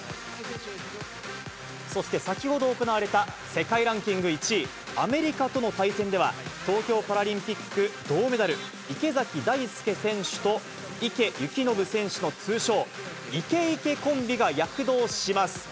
そして先ほど行われた世界ランキング１位、アメリカとの対戦では、東京パラリンピック銅メダル、池崎大輔選手と池透暢選手の通称、イケイケコンビが躍動します。